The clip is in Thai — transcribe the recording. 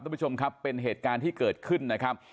ทุกผู้ชมครับเป็นเหตุการณ์ที่เกิดขึ้นนะครับ